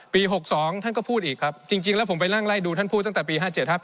ปี๖๒ท่านก็พูดอีกครับจริงแล้วผมไปนั่งไล่ดูท่านพูดตั้งแต่ปี๕๗๕๘๕๙๖๑๐๖๑๖๒๖๓๖๔๖๕